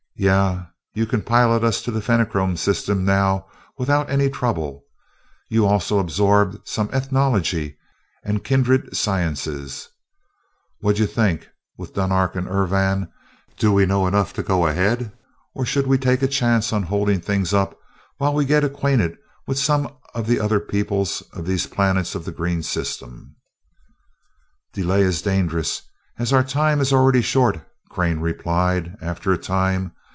"Yeah, you can pilot us to the Fenachrone system now without any trouble. You also absorbed some ethnology and kindred sciences. What d'you think with Dunark and Urvan, do we know enough to go ahead or should we take a chance on holding things up while we get acquainted with some of the other peoples of these planets of the green system?" "Delay is dangerous, as our time is already short," Crane replied after a time.